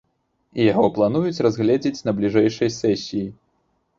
І яго плануюць разгледзець на бліжэйшай сесіі.